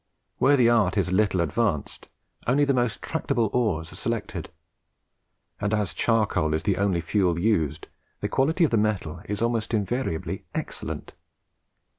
Where the art is little advanced, only the most tractable ores are selected; and as charcoal is the only fuel used, the quality of the metal is almost invariably excellent.